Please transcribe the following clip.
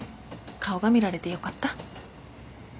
顔が見られてよかった。